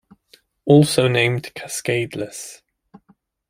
Also named cascadeless.